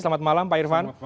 selamat malam pak irvan